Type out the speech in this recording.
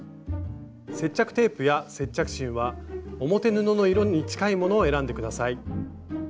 接着テープや接着芯は表布の色に近いものを選んで下さい。